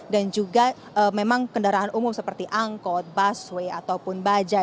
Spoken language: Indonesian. dan juga memang kendaraan umum seperti angkot busway ataupun baja